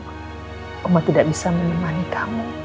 allah tidak bisa menemani kamu